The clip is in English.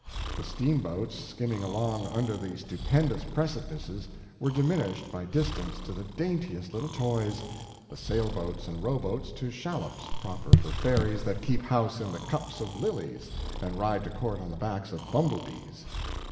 The steamboats skimming along under the stupendous precipices were diminished by distance to the daintiest little toys, the sailboats and rowboats to shallops proper for fairies that keep house in the cups of lilies and ride to court on the backs of bumblebees.